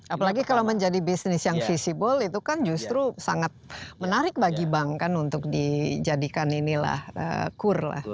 apalagi kalau menjadi bisnis yang visibel itu kan justru sangat menarik bagi bank kan untuk dijadikan ini lah kur